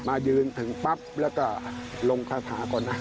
ยืนถึงปั๊บแล้วก็ลงคาถาก่อนนะ